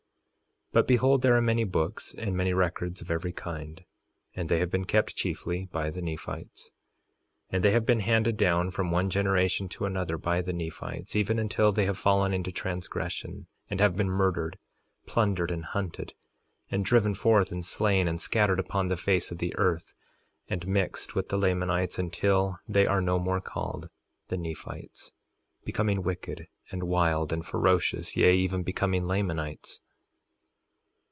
3:15 But behold, there are many books and many records of every kind, and they have been kept chiefly by the Nephites. 3:16 And they have been handed down from one generation to another by the Nephites, even until they have fallen into transgression and have been murdered, plundered, and hunted, and driven forth, and slain, and scattered upon the face of the earth, and mixed with the Lamanites until they are no more called the Nephites, becoming wicked, and wild, and ferocious, yea, even becoming Lamanites.